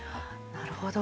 なるほど。